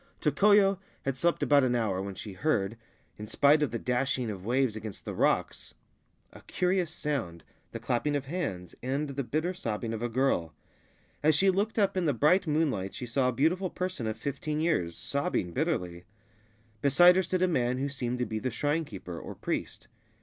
Tokoyo had slept about an hour when she heard, in spite of the dashing of waves against the rocks, a curious sound, the clapping of hands and the bitter sobbing of a girl. As she looked up in the bright moonlight she saw a beautiful person of fifteen years, sobbing bitterly. Beside her stood a man who seemed to be the shrine keeper or priest.